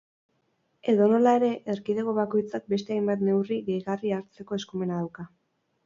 Edonola ere, erkidego bakoitzak beste hainbat neurri gehigarri hartzeko eskumena dauka.